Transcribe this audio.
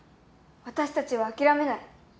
私たちは諦めない。